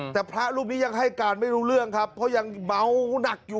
แต่พระรูปนี้ยังให้การไม่รู้เรื่องครับเพราะยังเมาหนักอยู่